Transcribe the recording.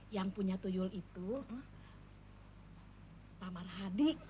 yang punya tuyul itu tamar hadi